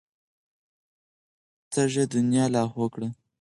تږې دنيا لاهو کړه.